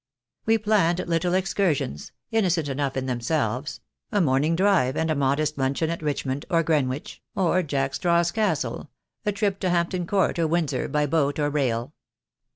We planned little excursions, innocent enough in themselves, a morning drive and a modest luncheon at Richmond, or Greenwich, or Jack Straw's Castle, a trip to Hampton Court or Windsor by boat or rail.